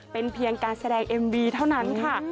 เป็นเพียงการแสดงเอ็มวีเท่านั้นค่ะ